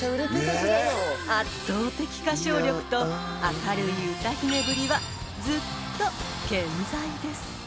［圧倒的歌唱力と明るい歌姫ぶりはずっと健在です］